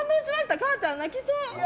母ちゃん泣きそう。